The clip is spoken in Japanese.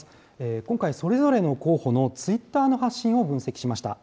今回、それぞれの候補のツイッターの発信を分析しました。